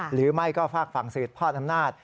หรือไม่ก็ฝากฝั่งสืบทอดอำนาจ